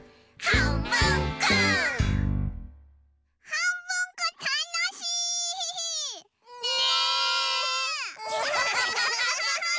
はんぶんこたのしい！ねえ！